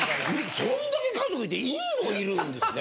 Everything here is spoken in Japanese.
そんだけ家族いて犬もいるんですね。